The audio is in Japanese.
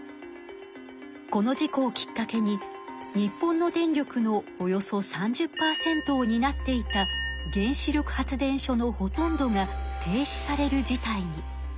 この事故をきっかけに日本の電力のおよそ３０％をになっていた原子力発電所のほとんどが停止される事態に。